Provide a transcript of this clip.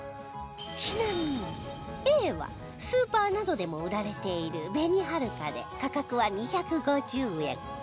ちなみに Ａ はスーパーなどでも売られている紅はるかで価格は２５０円